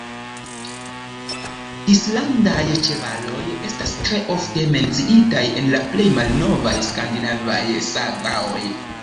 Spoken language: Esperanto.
Islandaj ĉevaloj estas tre ofte menciitaj en la plej malnovaj skandinavaj sagaoj.